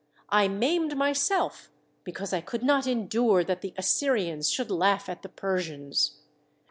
I maimed myself because I could not endure that the Assyrians should laugh at the Persians."